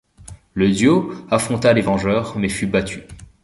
Le duo affronta les Vengeurs mais fut battu.